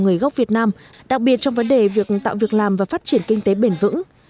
người gốc việt nam đặc biệt trong vấn đề việc tạo việc làm và phát triển kinh tế bền vững